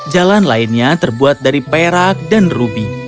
jalan lainnya terbuat dari perak dan rubi